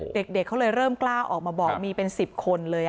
เด็กเขาเลยเริ่มกล้าออกมาบอกมีเป็น๑๐คนเลย